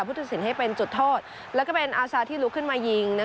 ตัดสินให้เป็นจุดโทษและเป็นอาซาที่ลุกขึ้นมายิง